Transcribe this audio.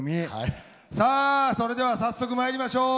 さあそれでは早速まいりましょう。